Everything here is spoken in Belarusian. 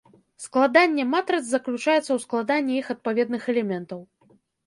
Складанне матрыц заключаецца ў складанні іх адпаведных элементаў.